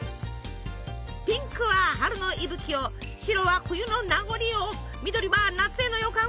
ピンクは春の息吹を白は冬の名残を緑は夏への予感を表現。